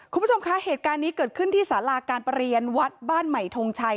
คุณผู้ชมคะเหตุการณ์นี้เกิดขึ้นที่สาราการประเรียนวัดบ้านใหม่ทงชัย